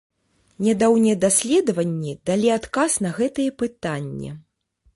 Нядаўнія даследаванні далі адказ на гэтае пытанне.